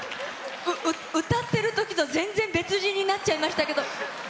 歌ってるときと全然別人になっちゃいましたけど。